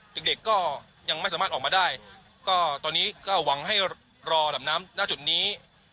เด็กเด็กก็ยังไม่สามารถออกมาได้ก็ตอนนี้ก็หวังให้รอระดับน้ำหน้าจุดนี้